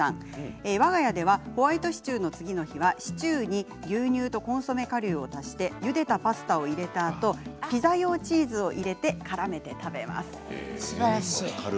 わが家ではホワイトシチューの次の日がシチューに牛乳とコンソメかりゅうを足してゆでたパスタを入れたあとピザ用チーズを入れてからめてすばらしい。